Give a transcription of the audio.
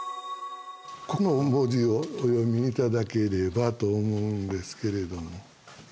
この文字をお読み頂ければと思うんですけれども。